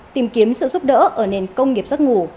tìm kiếm sự giúp đỡ ở nền công nghiệp giấc ngủ